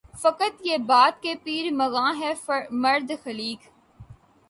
فقط یہ بات کہ پیر مغاں ہے مرد خلیق